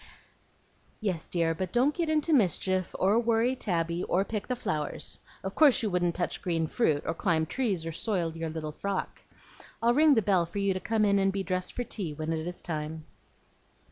"Yes, dear; but don't get into mischief, or worry Tabby, or pick the flowers. Of course you wouldn't touch green fruit, or climb trees, or soil your little frock. I'll ring the bell for you to come in and be dressed for tea when it is time."